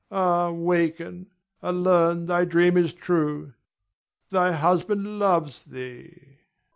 Ah, waken and learn thy dream is true. Thy husband loves thee.